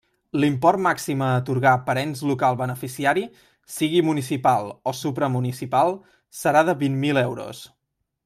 L'import màxim a atorgar per ens local beneficiari, sigui municipal o supramunicipal, serà de vint mil euros.